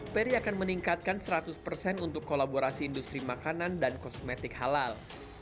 peri akan meningkatkan seratus persen untuk kolaborasi industri makanan dan kosmetik halal